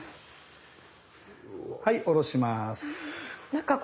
はい下ろします。